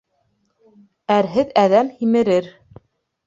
Әрһеҙ әҙәм һимерер.